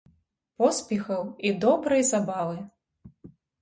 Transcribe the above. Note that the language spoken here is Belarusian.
Поспехаў і добрай забавы!